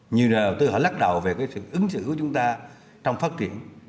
nhiều đầu tư họ lắc đầu về sự ứng xử của chúng ta trong phát triển